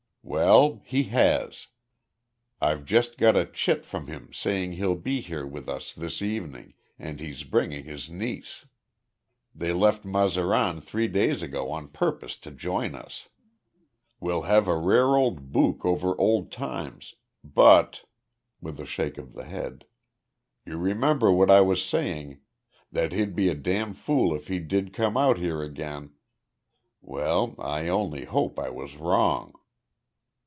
"Well, he has. I've just got a `chit' from him saying he'll be here with us this evening, and he's bringing his niece. They left Mazaran three days ago on purpose to join us. We'll have a rare old bukh, over old times, but," with a shake of the head "you remember what I was saying that he'd be a damn fool if he did come out here again. Well, I only hope I was wrong."